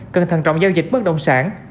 cẩn thận trọng giao dịch bất đồng sản